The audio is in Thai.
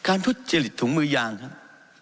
ทุจริตถุงมือยางครับ